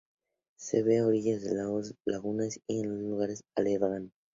Se ve a orillas de los lagos, lagunas en lugares anegados.